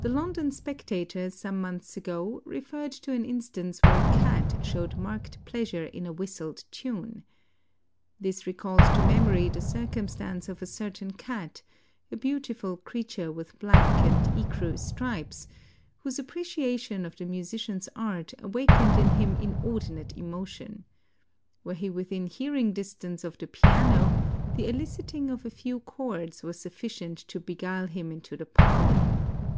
The London Spectator some months ago referred to an instance where a cat showed marked pleasure in a whistled tune. This recalled to memory the circumstance of a certain cat, a beautiful creature with black and ecru stripes, whose appreciation of the musician's art awakened in him inordinate emotion. Were he within hearing distance of the piano the eliciting of a few chords was sufficient to beguile him into the parlor.